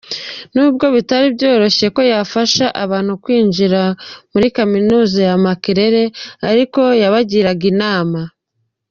Nubwo bitari byoroshye ko yafasha abantu kwinjira muri Kaminuza ya Makerere ariko yabagiraga inama.